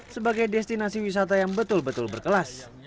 sebagai destinasi wisata yang betul betul berkelas